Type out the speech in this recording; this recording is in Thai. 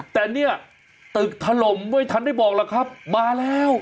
แต่เนี่ยตึกถล่มว่าอีกทันไม่บอกมาแล้ว